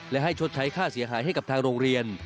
และให้ชดใช้ค่าเสียหายให้กับทางโรงเรียน